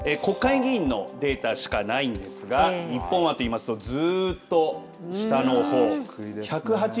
国会議員のデータしかないんですが日本はといいますと、ずっと下の方。